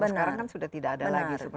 sekarang kan sudah tidak ada lagi seperti itu